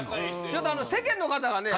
ちょっと世間の方がね